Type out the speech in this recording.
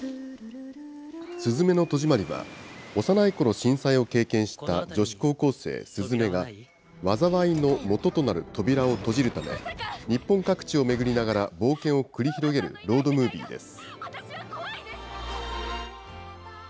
すずめの戸締まりは、幼いころ、震災を経験した女子高校生、鈴芽が、災いの元となる扉を閉じるため、日本各地を巡りながら冒険を繰り広げるロードムービーです。